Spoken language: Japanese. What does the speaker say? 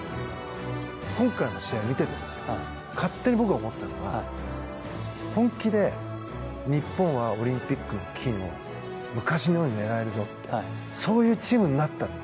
今回の試合見てても勝手に僕が思ったのは本気で日本はオリンピックの金を昔のように狙えるぞって、本当にそういうチームになったって